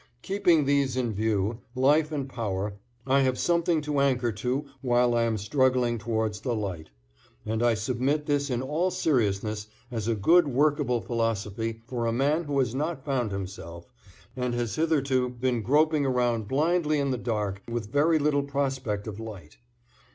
Keeping these in view, life and power, I have something to anchor to while I am struggling towards the light, and I submit this in all seriousness as a good workable philosophy for a man who has not found himself and has hitherto been groping around blindly in the dark with very little prospect of light.